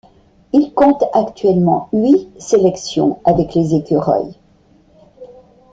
Il compte actuellement huit sélections avec les Écureuils.